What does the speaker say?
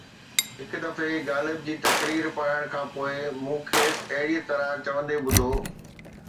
هڪ دفعي غالب جي تقرير پڙهڻ کان پوءِ مون کيس ”اهڙيءَ طرح“ چوندي ٻڌو.